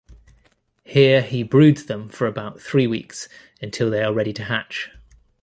Here he broods them for about three weeks until they are ready to hatch.